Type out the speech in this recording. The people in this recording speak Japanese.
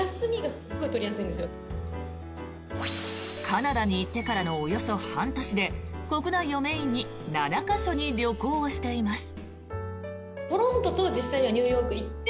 カナダに行ってからのおよそ半年で国内をメインに７か所に旅行をしています。